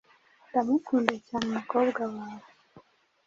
ndamukunda cyane umukobwa wawe